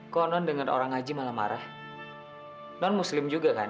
konon dengan orang ngaji malah marah non muslim juga kan